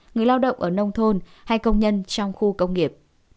người lao động ở nông thôn hay công nhân trong khu công nghiệp